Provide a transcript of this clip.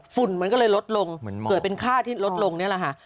ฝุ่นมันก็เลยลดลงเกิดเป็นค่าที่ลดลงนี่แหละค่ะ